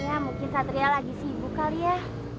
ya mungkin satria lagi sibuk kali ya